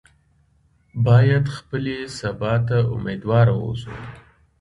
باید خپلې سبا ته امیدواره واوسو.